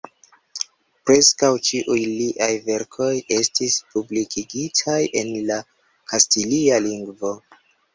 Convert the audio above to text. Preskaŭ ĉiuj liaj verkoj estis publikigitaj en la kastilia lingvo.